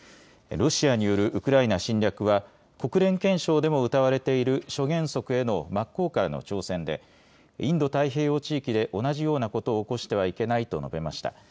ロシアによるウクライナ侵略は、国連憲章でもうたわれている諸原則への真っ向からの挑戦で、インド太平洋地域で同じようなことを起こしてはいけないと述べました。